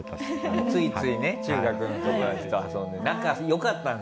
ついついね中学の友達と遊んで。